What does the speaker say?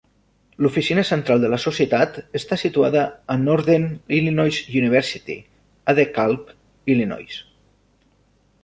L"oficina central de la Societat està situada a Northern Illinois University a DeKalb, Illinois.